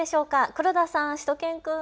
黒田さん、しゅと犬くん。